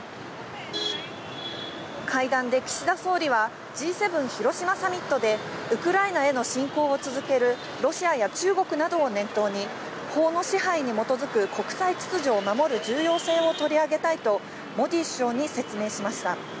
会談で岸田総理は、Ｇ７広島サミットでウクライナへの侵攻を続けるロシアや中国などを念頭に、法の支配に基づく国際秩序を守る重要性を取り上げたいとモディ首相に説明しました。